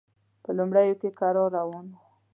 په لومړیو کې کرار روان و.